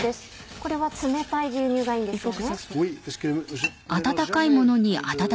これは冷たい牛乳がいいんですよね？